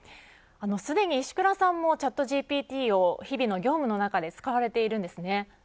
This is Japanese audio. すでに石倉さんもＣｈａｔＧＰＴを日々の業務の中で使われているんですね。